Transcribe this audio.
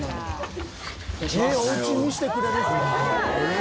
お家見せてくれるんですか？